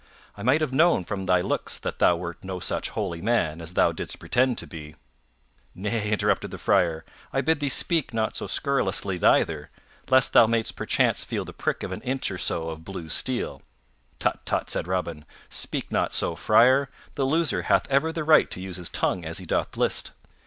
I might have known from thy looks that thou wert no such holy man as thou didst pretend to be." "Nay," interrupted the Friar, "I bid thee speak not so scurrilously neither, lest thou mayst perchance feel the prick of an inch or so of blue steel." "Tut, tut," said Robin, "speak not so, Friar; the loser hath ever the right to use his tongue as he doth list.